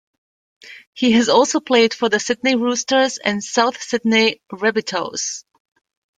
He has also played for the Sydney Roosters and South Sydney Rabbitohs.